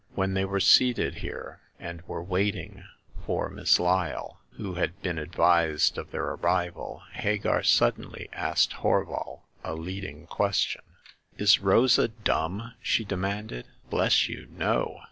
When they were seated here, and were waiting for Miss Lyle, who had been advised of their arrival, Hagar suddenly asked Horval a leading question. 7o Hagar of the Pawn Shop. .." Is Rosa dumb ?" she demanded. Bless you, no